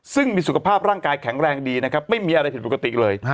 ซึ่งมีสุขภาพร่างกายแข็งแรงดีนะครับไม่มีอะไรผิดปกติเลย